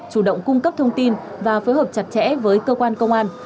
chủ động cung cấp thông tin và phối hợp chặt chẽ với cơ quan công an